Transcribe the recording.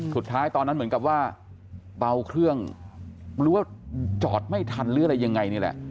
สุดท้ายตอนนั้นเหมือนกับว่าเบาเครื่องหรือว่าจอดไม่ทันหรืออะไรยังไงนี่แหละ